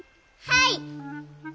はい。